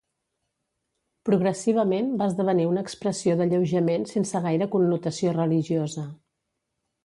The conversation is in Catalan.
Progressivament va esdevenir una expressió d'alleujament sense gaire connotació religiosa.